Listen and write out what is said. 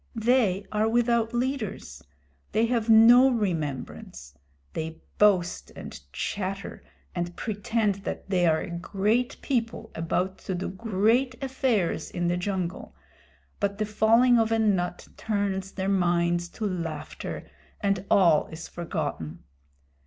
They are without leaders. They have no remembrance. They boast and chatter and pretend that they are a great people about to do great affairs in the jungle, but the falling of a nut turns their minds to laughter and all is forgotten.